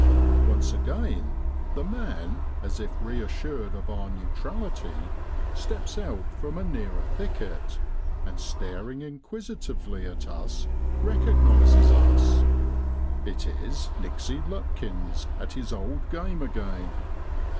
Once again, the man as if reassured of our neutrality, steps out from a nearer thicket, and staring inquisitively at us, recognises us. It is Nixey Lutkins at his old game again.